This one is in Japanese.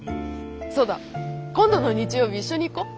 そうだ今度の日曜日一緒に行こう。